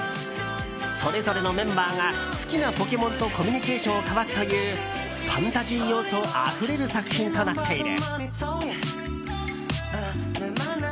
それぞれのメンバーが好きなポケモンとコミュニケーションを交わすというファンタジー要素あふれる作品となっている。